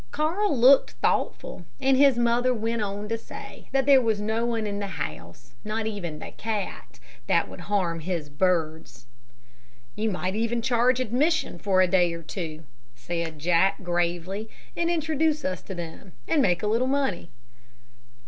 Carl looked thoughtful, and his mother went on to say that there was no one in the house, not even the cat, that would harm his birds. "You might even charge admission for a day or two," said Jack, gravely, "and introduce us to them, and make a little money."